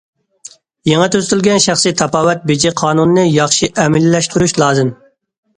يېڭى تۈزىتىلگەن شەخسىي تاپاۋەت بېجى قانۇنىنى ياخشى ئەمەلىيلەشتۈرۈش لازىم.